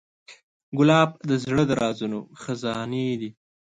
ګلاب د زړه د رازونو خزانې ده.